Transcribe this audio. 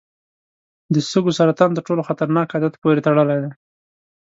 د سږو سرطان تر ټولو خطرناک عادت پورې تړلی دی.